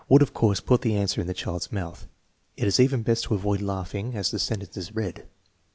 " would, of course, put the answer in the child's mouth. It is even best to avoid laughing as the sentence is read.